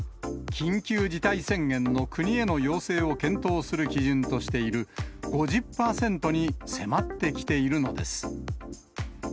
緊急事態宣言の国への要請を検討する基準としている５０％に迫ってきているのです。